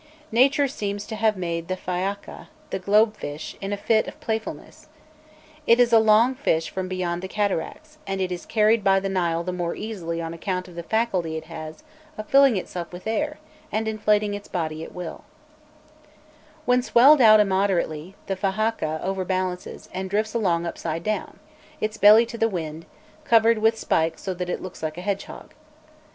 Nature seems to have made the fahâka (the globe fish) in a fit of playfulness. It is a long fish from beyond the cataracts, and it is carried by the Nile the more easily on account of the faculty it has of filling itself with air, and inflating its body at will. [Illustration: 046.jpg AHAKA] When swelled out immoderately, the fahâka overbalances, and drifts along upside down, its belly to the wind, covered with spikes so that it looks like a hedgehog.